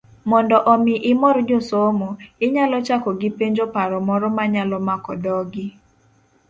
Mondo omi imor josomo, inyalo chako gi penjo, paro moro manyalo mako dhogi.